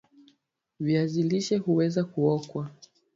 viazi lishe huweza kuokwa